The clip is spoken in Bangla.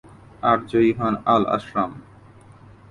আর জয়ী হন আল-আশরাম।